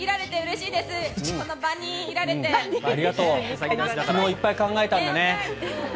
昨日いっぱい考えたんだね。